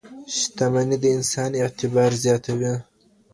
شتمني د انسان اعتبار زیاتوي.